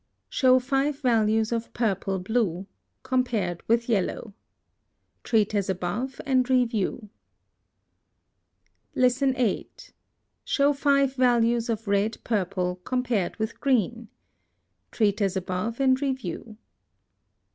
Show FIVE VALUES of PURPLE BLUE compared with Yellow. Treat as above and review. 8. Show FIVE VALUES of RED PURPLE „ Green. Treat as above and review.